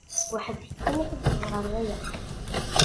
Weḥd-k kan i tewwḍeḍ ɣer waya?